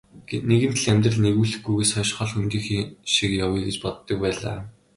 Нэгэнт л амьдрал нийлүүлэхгүйгээс хойш хол хөндийхөн шиг явъя гэж боддог байлаа.